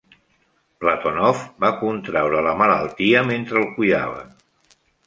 Platonov va contraure la malaltia mentre el cuidava.